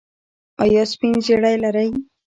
ایا سپین زیړی لرئ؟